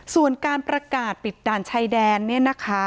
ส่วนการประกาศปิดด่านชายแดนเนี่ยนะคะ